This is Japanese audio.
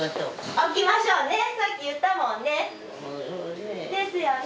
起きましょうねさっき言ったもんね。ですよね。